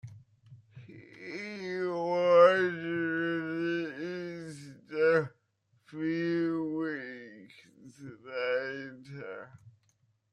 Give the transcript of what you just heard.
He was released a few weeks later.